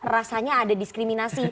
rasanya ada diskriminasi